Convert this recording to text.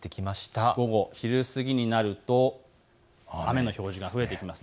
昼過ぎになると雨の表示が増えてきます。